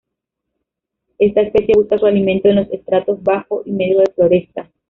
Esta especie busca su alimento en los estratos bajo y medio de la floresta.